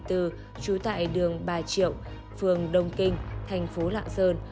trú tại đường bà triệu phường đông kinh thành phố lạng sơn